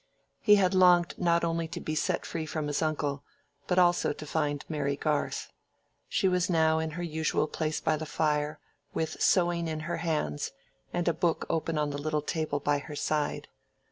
He had longed not only to be set free from his uncle, but also to find Mary Garth. She was now in her usual place by the fire, with sewing in her hands and a book open on the little table by her side.